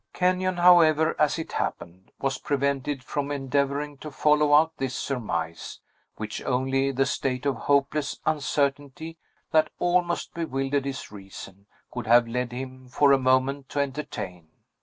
Kenyon, however, as it happened, was prevented from endeavoring to follow out this surmise, which only the state of hopeless uncertainty, that almost bewildered his reason, could have led him for a moment to entertain.